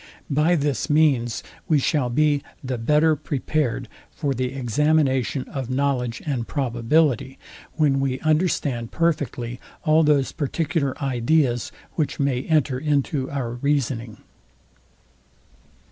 By this means we shall be the better prepared for the examination of knowledge and probability, when we understand perfectly all those particular ideas, which may enter into our reasoning.